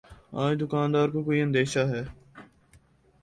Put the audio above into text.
آج دکان دار کو کوئی اندیشہ ہے